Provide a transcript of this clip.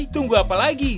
tunggu apa lagi